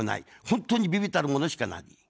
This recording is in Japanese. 本当に微々たるものしかない。